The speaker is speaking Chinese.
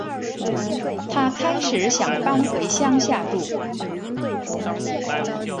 她开始想搬回乡下住